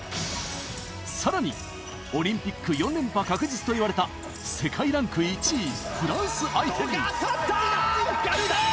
さらにオリンピック４連覇確実といわれた世界ランク１位フランス相手に勝った逆転！